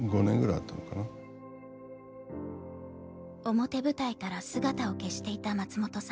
表舞台から姿を消していた松本さん。